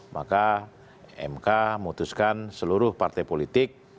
maka mk memutuskan seluruh partai politik